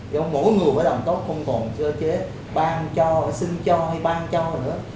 do mỗi người phải làm tốt không còn cơ chế ban cho xin cho hay bang cho nữa